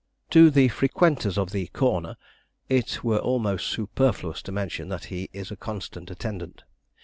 To the frequenters of the 'corner,' it were almost superfluous to mention that he is a constant attendant.